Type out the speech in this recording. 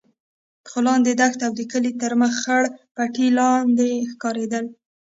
خو لاندې دښته او د کلي تر مخ خړ پټي لانده ښکارېدل.